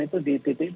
itu di titik